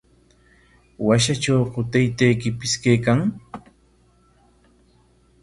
¿Washatrawku taytaykipis kaykan?